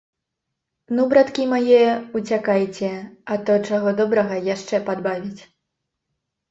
Ну, браткі мае, уцякайце, а то, чаго добрага, яшчэ падбавіць.